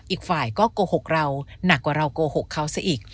อีกฝ่ายก็โกหกเราหนักกว่าเราโกหกเขาซะอีก